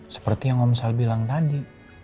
seperti yang om sal bilang tadi